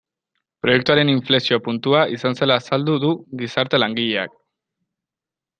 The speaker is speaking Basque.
Proiektuaren inflexio puntua izan zela azaldu du gizarte langileak.